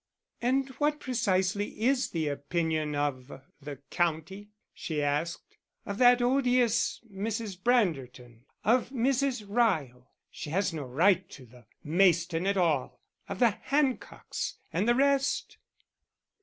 "And what precisely is the opinion of the county?" she asked. "Of that odious Mrs. Branderton, of Mrs. Ryle (she has no right to the Mayston at all), of the Hancocks, and the rest?"